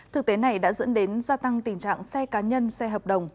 thực tế này đã dẫn đến gia tăng tình trạng xe cá nhân xe hợp đồng